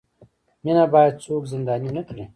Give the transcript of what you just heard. مینه باید څوک زنداني نه کړي.